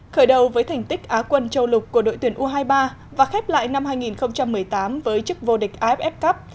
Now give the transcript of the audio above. khởi đầu với thành tích á quân châu lục của đội tuyển u hai mươi ba và khép lại năm hai nghìn một mươi tám với chức vô địch aff cup